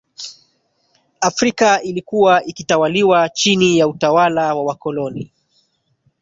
afrika ilikuwa ikitawaliwa chini ya utawala wa wakoloni